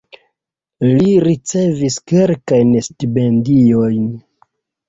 Li ricevis kelkajn stipendiojn.